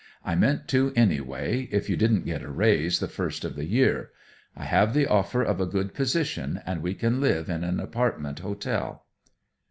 "I meant to, anyway, if you didn't get a raise the first of the year. I have the offer of a good position, and we can live in an apartment hotel."